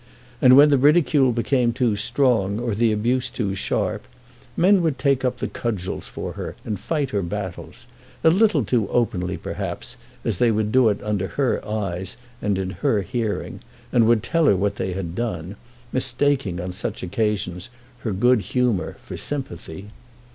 And when the ridicule became too strong, or the abuse too sharp, men would take up the cudgels for her, and fight her battles; a little too openly, perhaps, as they would do it under her eyes, and in her hearing, and would tell her what they had done, mistaking on such occasions her good humour for sympathy.